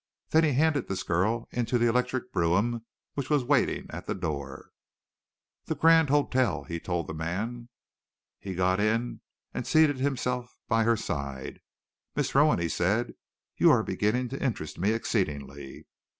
Then he handed the girl into the electric brougham which was waiting at the door. "The Grand Hotel," he told the man. He got in and seated himself by her side. "Miss Rowan," he said, "you are beginning to interest me exceedingly."